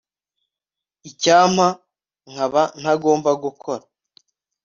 icyampa nkaba ntagomba gukora